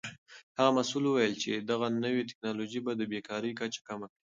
هغه مسؤل وویل چې دغه نوې تکنالوژي به د بیکارۍ کچه کمه کړي.